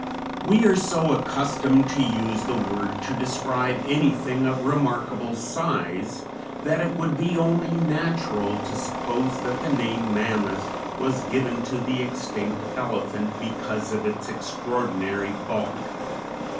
We are so accustomed to use the word to describe anything of remarkable size that it would be only natural to suppose that the name Mammoth was given to the extinct elephant because of its extraordinary bulk.